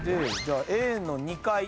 じゃあＡの２階。